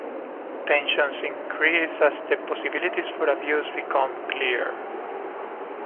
Tensions increase as the possibilities for abuse become clear.